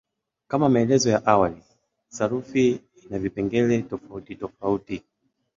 Kama maelezo ya awali, sarufi ina vipengele tofautitofauti.